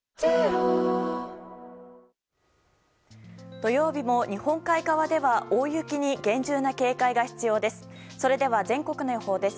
土曜日も日本海側では大雪に厳重な警戒が必要です。